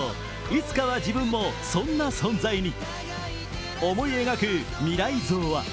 いつかは自分もそんな存在に。